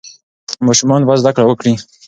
ماشومان باید زده کړه وکړي.